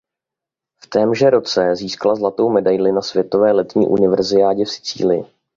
V témže roce získala zlatou medaili na světové letní univerziádě v Sicílii.